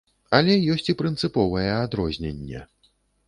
Але ёсць і прынцыповае адрозненне.